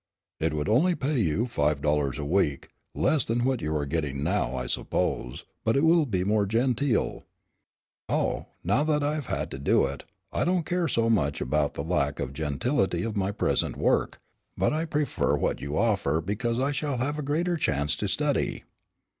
"It would only pay you five dollars a week, less than what you are getting now, I suppose, but it will be more genteel." "Oh, now, that I have had to do it, I don't care so much about the lack of gentility of my present work, but I prefer what you offer because I shall have a greater chance to study."